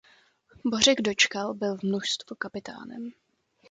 Bořek Dočkal byl v mužstvu kapitánem.